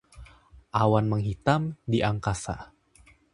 awan menghitam di angkasa